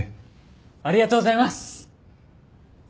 ありがとうございます！